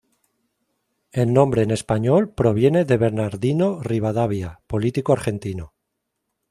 El nombre en español proviene de Bernardino Rivadavia, político argentino.